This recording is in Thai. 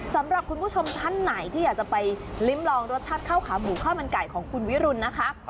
สำหรับคุณผู้ชมท่านไหนที่อยากจะไปลิ้มลองรสชาติข้าวขาหมูข้าวมันไก่ของคุณวิรุณนะคะ